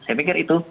saya pikir itu